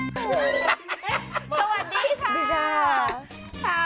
สวัสดีค่า